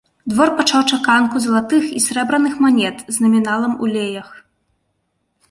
Двор пачаў чаканку залатых і сярэбраных манет з наміналам у леях.